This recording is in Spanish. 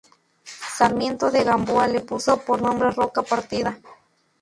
Sarmiento de Gamboa le puso por nombre Roca Partida.